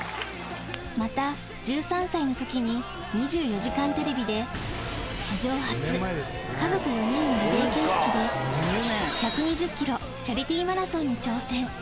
また、１３歳のときに、２４時間テレビで、史上初、家族４人のリレー形式で、１２０キロチャリティーマラソンに挑戦。